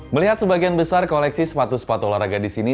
melihat sebagian besar koleksi sepatu sepatu olahraga di sini